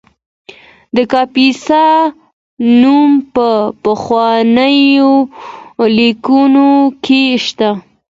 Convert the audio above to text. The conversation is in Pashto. د کاپیسا نوم په پخوانیو لیکنو کې شته